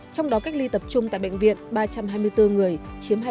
trong đó cách ly tập trung tại bệnh viện ba trăm hai mươi bốn người chiếm hai